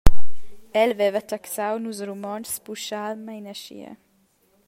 El veva taxau nus Romontschs pauschalmein aschia.